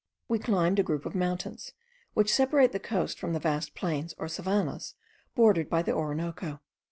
We climbed a group of mountains, which separate the coast from the vast plains, or savannahs, bordered by the Orinoco.